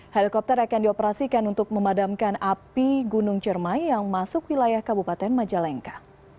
helikopter akan dioperasikan untuk memadamkan api gunung cermai yang masuk wilayah kabupaten majalengka